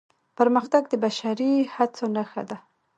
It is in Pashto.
پرمختګ د بشري هڅو نښه ده.